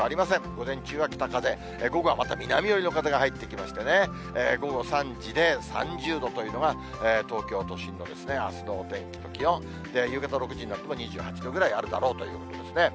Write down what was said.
午前中は北風、午後はまた南寄りの風が入ってきましてね、午後３時で３０度というのが、東京都心のあすのお天気と気温、夕方６時になっても２８度ぐらいあるだろうという予想ですね。